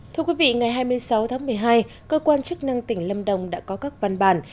thưa quý vị ngày hai mươi sáu tháng một mươi hai cơ quan chức năng tỉnh lâm đồng đã có các văn bản